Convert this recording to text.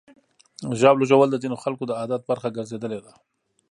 ژاوله ژوول د ځینو خلکو د عادت برخه ګرځېدلې ده.